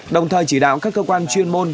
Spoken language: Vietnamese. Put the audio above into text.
đồng thời chỉ đạo các cơ quan chuyên môn